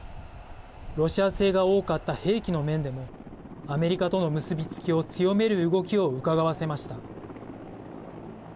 ロシア製が多かった兵器の面でもアメリカとの結び付きを強める動きをうかがわせました。